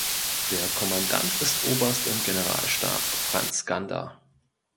Der Kommandant ist Oberst im Generalstab Franz Gander.